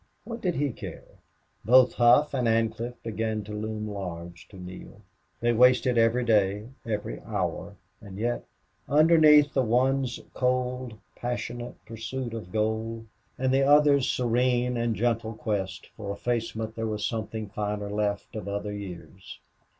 What did he care? Both Hough and Ancliffe began to loom large to Neale. They wasted every day, every hour; and yet, underneath the one's cold, passionless pursuit of gold, and the other's serene and gentle quest for effacement there was something finer left of other years.